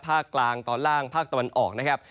ภาคกลางตอนล่างภาคตะวันออกนะครับ